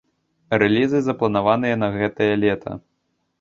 Рэлізы запланаваныя на гэтае лета.